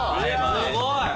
すごい！